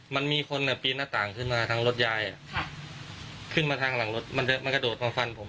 มันมีคนปีนหน้าต่างขึ้นมาทางรถยายขึ้นมาทางหลังรถมันกระโดดมาฟันผม